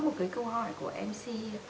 một cái câu hỏi của mc